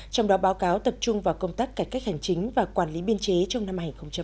trong đó báo cáo tập trung vào công tác cải cách hành chính và quản lý biên chế trong năm hai nghìn một mươi chín